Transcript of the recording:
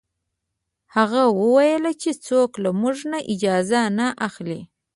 هغه وویل چې څوک له موږ نه اجازه نه اخلي.